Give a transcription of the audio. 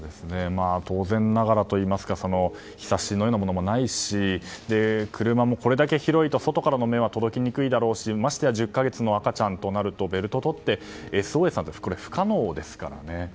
当然ながらといいますかひさしのようなものもないし車もこれだけ広いと外からの目は届きにくいだろうし、ましてや１０か月の赤ちゃんとなるとベルトを取って、ＳＯＳなんて不可能ですからね。